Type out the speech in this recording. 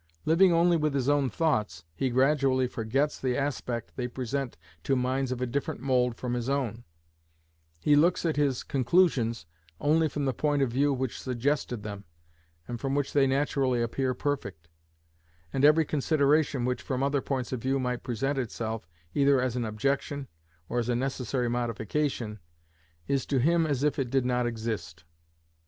Living only with his own thoughts, he gradually forgets the aspect they present to minds of a different mould from his own; he looks at his conclusions only from the point of view which suggested them, and from which they naturally appear perfect; and every consideration which from other points of view might present itself, either as an objection or as a necessary modification, is to him as if it did not exist.